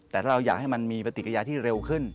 แต่ถ้าเราอยากให้มันมีปฏิกิริยาที่เร็วขึ้น